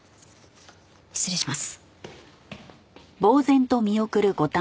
失礼します。